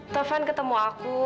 taufan ketemu aku